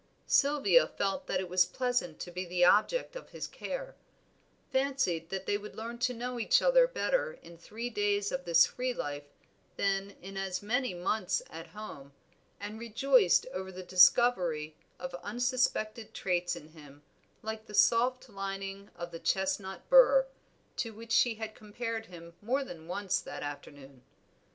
Sylvia felt that it was pleasant to be the object of his care, fancied that they would learn to know each other better in three days of this free life than in as many months at home, and rejoiced over the discovery of unsuspected traits in him, like the soft lining of the chestnut burr, to which she had compared him more than once that afternoon.